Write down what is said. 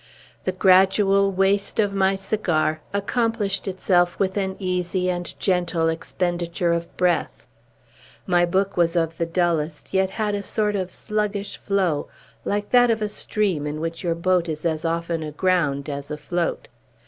The gradual waste of my cigar accomplished itself with an easy and gentle expenditure of breath. My book was of the dullest, yet had a sort of sluggish flow, like that of a stream in which your boat is as often aground as afloat.